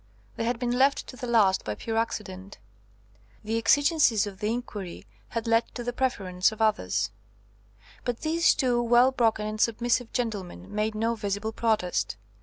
They had been left to the last by pure accident. The exigencies of the inquiry had led to the preference of others, but these two well broken and submissive gentlemen made no visible protest.